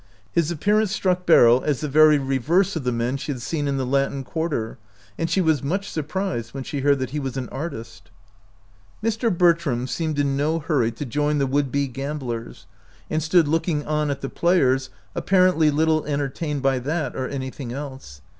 His appearance struck Beryl as the very reverse of the men she had seen in the Latin Quarter, and she was much sur prised when she heard that he was an artist. Mr. Bertram seemed in no hurry to join 58 OUT OF BOHEMIA the would be gamblers, and stood looking on at the players, apparently little entertained by that or anything else.